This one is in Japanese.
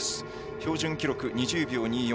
標準記録２０秒２４